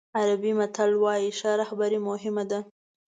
عربي متل وایي ښه رهبري مهم ده.